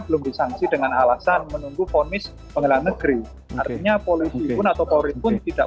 belum disangsi dengan alasan menunggu fonis pengadilan negeri artinya polisi pun atau polri pun tidak